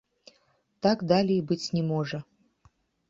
Так далей быць не можа.